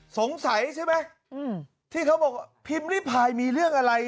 สงสัยใช่ไหมที่เขาบอกพิมพ์ริพายมีเรื่องอะไร